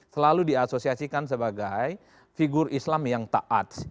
selalu diasosiasikan sebagai figur islam yang taat